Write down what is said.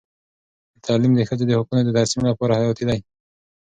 تعلیم د ښځو د حقونو د ترسیم لپاره حیاتي دی.